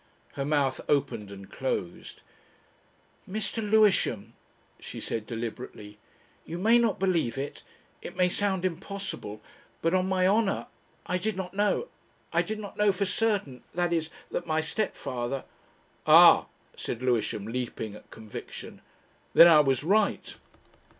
Her mouth opened and closed. "Mr. Lewisham," she said deliberately, "you may not believe it, it may sound impossible, but on my honour ... I did not know I did not know for certain, that is that my stepfather ..." "Ah!" said Lewisham, leaping at conviction. "Then I was right...."